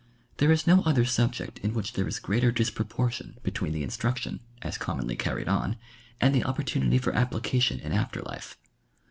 There is no other subject in which there is greater disproportion between the instruction, as commonly carried o.n, and the opportunity for application in after life.